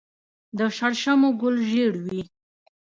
د شړشمو ګل ژیړ وي.